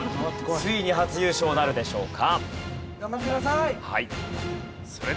ついに初優勝なるでしょうか？